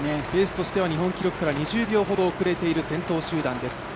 ペースとしては日本記録から２０秒ほど遅れている先頭集団です。